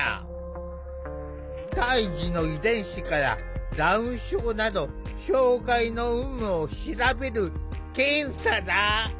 胎児の遺伝子からダウン症など障害の有無を調べる検査だ。